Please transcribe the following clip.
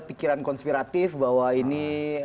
pikiran konspiratif bahwa ini